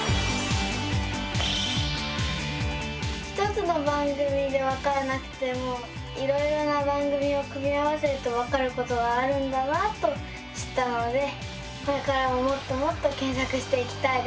１つの番組でわからなくてもいろいろな番組を組み合わせるとわかることがあるんだなと知ったのでこれからももっともっと検索していきたいです。